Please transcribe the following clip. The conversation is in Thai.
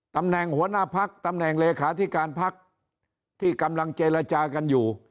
ตำแหน่งหัวหน้าพักตำแหน่งเลขาธิการพักที่กำลังเจรจากันอยู่